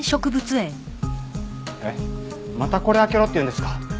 えっまたこれ開けろって言うんですか？